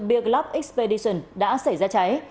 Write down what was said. big lab expedition đã xảy ra cháy